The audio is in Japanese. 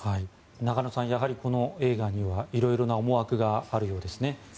中野さん、やはりこの映画には色々な思惑があるようですね。